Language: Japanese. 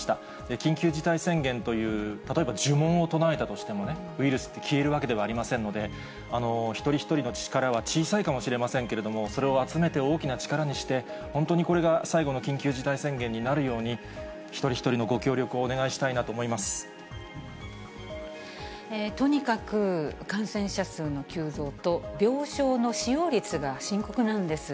緊急事態宣言という例えばじゅ文を唱えたとしてもね、ウイルスって消えるわけではありませんので、一人一人の力は小さいかもしれませんけれども、それを集めて大きな力にして、本当にこれが、最後の緊急事態宣言になるように、一人一人のご協力をお願いしたいとにかく、感染者数の急増と病床の使用率が深刻なんです。